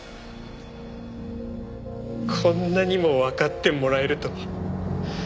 こんなにもわかってもらえるとは。